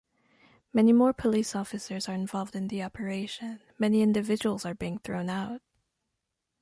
Many more Police Officers are involved in the operation, many individuals are being thrown out.